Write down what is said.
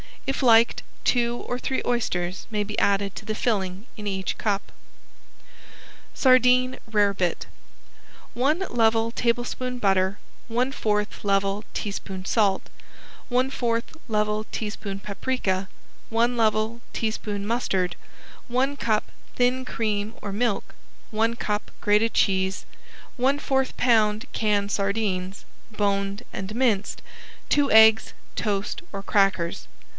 If liked, two or three oysters may be added to the filling in each cup. ~SARDINE RAREBIT~ One level tablespoon butter, one fourth level teaspoon salt, one fourth level teaspoon paprika, one level teaspoon mustard, one cup thin cream or milk, one cup grated cheese, one fourth pound can sardines, boned and minced, two eggs, toast or crackers.